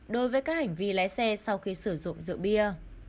đối với các hành vi lái xe sau khi sử dụng rượu bia